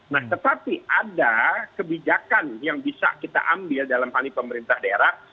nah tetapi ada kebijakan yang bisa kita ambil dalam hal ini pemerintah daerah